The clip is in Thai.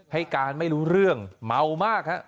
ให้การไม่รู้เรื่องเมามากฮะ